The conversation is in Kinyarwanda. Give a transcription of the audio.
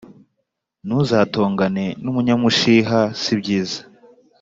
Ntuzatongane n’umunyamushiha sibyiza